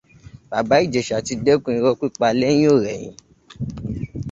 Bàbá Ìjẹ̀shà ti dẹ́kun irọ́ pípa lẹ́yìn-ò-rẹyìn